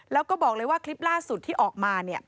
แล้วก็บอกเลยว่าคลิปล่าสุดที่ออกมา